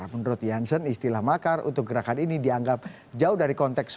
menurut jansen istilah makar untuk gerakan ini dianggap jauh dari konteks